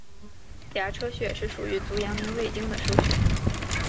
颊车穴是属于足阳明胃经的腧穴。